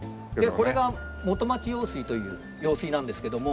これが元町用水という用水なんですけども。